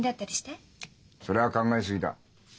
それは考え過ぎだ。